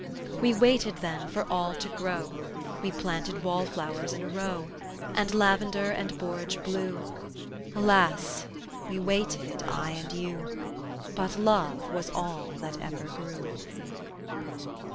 We waited then for all to grow, We planted wallflowers in a row. And lavendar and borage blue, Alas! we waited, I and you, But love was all that ever grew.